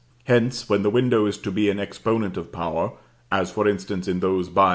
Hence, when the window is to be an exponent of power, as for instance in those by M.